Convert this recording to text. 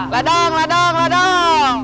ladang ladang ladang